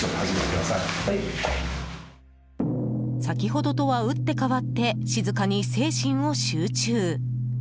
先ほどとは打って変わって静かに精神を集中。